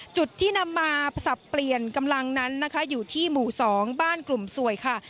จุดที่นำมาสับเปลี่ยนกำลังนั้นนะคะอยู่ที่หมู่๒บ้านกลุ่มสวยค่ะ